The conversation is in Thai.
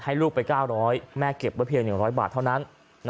ลูกไป๙๐๐แม่เก็บไว้เพียง๑๐๐บาทเท่านั้น